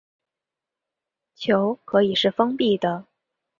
球可以是封闭的。